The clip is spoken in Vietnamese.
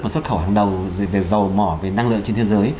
xuất khẩu hàng đầu về dầu mỏ về năng lượng trên thế giới